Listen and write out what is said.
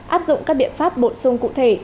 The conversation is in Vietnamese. áp dụng các biện pháp bổ sung cụ thể